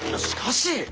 しかし。